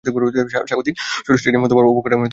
স্বাগতিক শহরের স্টেডিয়াম ও অবকাঠামোর উন্নয়ন করা হয়েছিল।